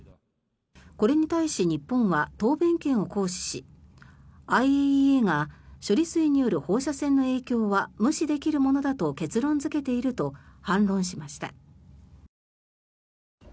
これに対し日本は答弁権を行使しＩＡＥＡが処理水による放射線の影響は無視できるものだと結論付けていると反論しました。